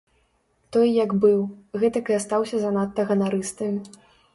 Той як быў, гэтак і астаўся занадта ганарысты.